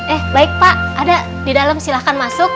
eh baik pak ada di dalam silahkan masuk